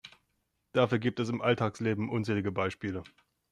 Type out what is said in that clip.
Dafür gibt es im Alltagsleben unzählige Beispiele.